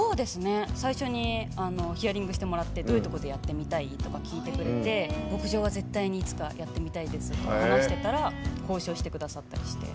最初にヒアリングしてもらってどういうとこでやってみたいとか聞いてくれて牧場は絶対にいつかやってみたいですって話してたら交渉してくださったりして。